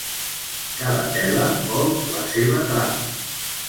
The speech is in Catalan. Cada tela vol la seva trama.